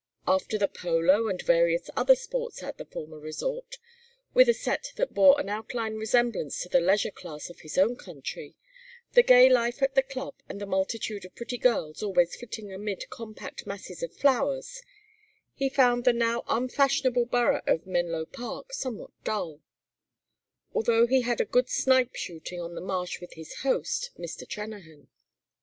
After the polo and various other sports at the former resort, with a set that bore an outline resemblance to the leisure class of his own country, the gay life at the Club and the multitude of pretty girls always flitting amid compact masses of flowers, he found the now unfashionable borough of Menlo Park somewhat dull; although he had good snipe shooting on the marsh with his host, Mr. Trennahan.